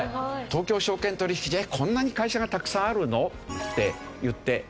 東京証券取引でこんなに会社がたくさんあるのっていって。